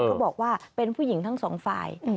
เขาบอกว่าเป็นผู้หญิงทั้งสองฝ่าย